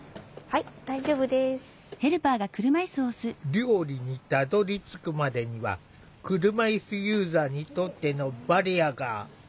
料理にたどりつくまでには車いすユーザーにとってのバリアが。